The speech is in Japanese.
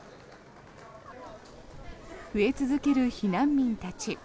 増え続ける避難民たち。